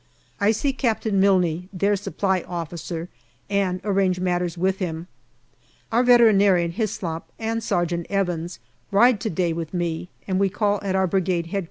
I see Captain Mime, their Supply Officer, and arrange matters with him. Our Vet. (Hyslop) and Sergeant Evans ride to day with me and we call at our Brigade H.Q.